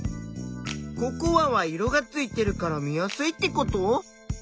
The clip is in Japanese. ココアは色がついてるから見やすいってこと？